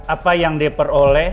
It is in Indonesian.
apa yang diperoleh